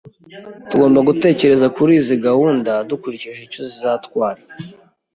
Tugomba gutekereza kuri izi gahunda dukurikije icyo zizatwara.